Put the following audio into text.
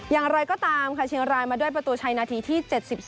อย่างไรก็ตามค่ะเชียงรายมาด้วยประตูชัยนาทีที่๗๒